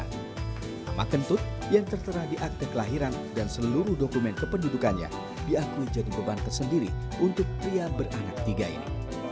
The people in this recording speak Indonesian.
nama kentut yang tertera di akte kelahiran dan seluruh dokumen kependudukannya diakui jadi beban tersendiri untuk pria beranak tiga ini